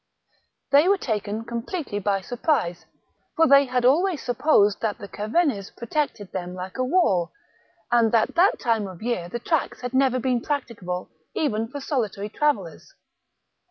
They were taken completely by sur prise, for they had always supposed that the Cevennes protected them like a wall, and at that time of the year the tracks had never been prac ticable even for solitary travellers.